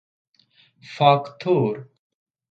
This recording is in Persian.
فاکتور